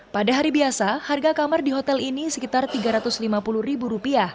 pada hari biasa harga kamar di hotel ini sekitar rp tiga ratus lima puluh